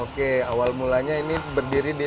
oke awal mulanya ini berdiri di